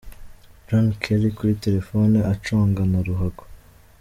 John Kelly kuri telephone aconga na ruhago.